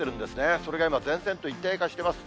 それが今、前線と一体化しています。